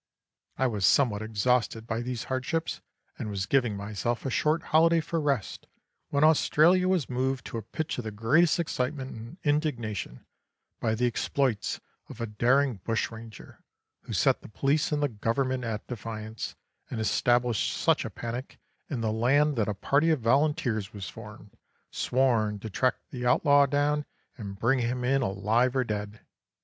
I was somewhat exhausted by these hardships, and was giving myself a short holiday for rest, when Australia was moved to a pitch of the greatest excitement and indignation by the exploits of a daring bushranger, who set the Police and the Government at defiance, and established such a panic in the land that a party of Volunteers was formed, sworn to track the outlaw down and bring him in alive or dead.